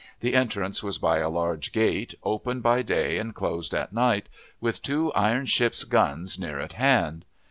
The entrance was by a large gate, open by day and closed at night, with two iron ship's guns near at hand.